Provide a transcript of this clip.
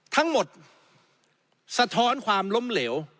ทั้งหมดสะท้อนความร้มเหลว